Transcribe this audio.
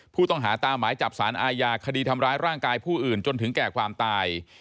ผู้ต้องหาตามหมายจับสารอาญาคดีทำร้ายร่างกายผู้อื่นจนถึงแก่ความตาย